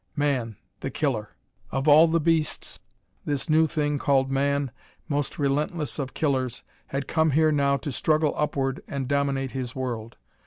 Man, the Killer! Of all the beasts, this new thing called man, most relentless of killers, had come here now to struggle upward and dominate his world!